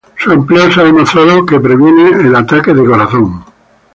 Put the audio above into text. Su empleo se ha demostrado previene el ataque de corazón.